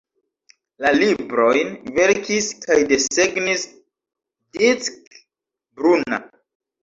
La librojn verkis kaj desegnis Dick Bruna.